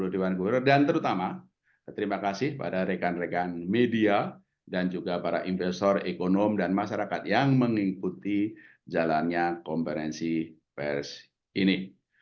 dan terutama terima kasih pada rekan rekan media dan juga para investor ekonom dan masyarakat yang mengikuti jalannya konferensi pers ini